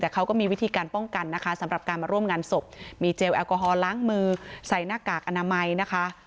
แต่เขาก็มีวิธีการป้องกันนะคะสำหรับการมาร่วมงานศพมีเจลแอลกอฮอลล้างมือใส่หน้ากากอนามัยนะคะ